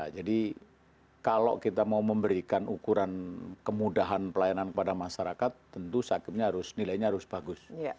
jadi kalau kita mau memberikan ukuran kemudahan pelayanan kepada masyarakat tentu sakitnya harus nilainya harus bagus